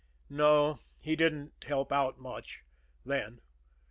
No; he didn't help out much then.